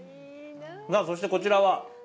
さあ、そして、こちらは？